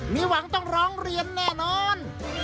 มีหวังต้องร้องเรียนแน่นอน